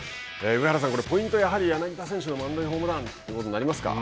上原さん、これポイントはやはり柳田選手の満塁ホームランということになりますか。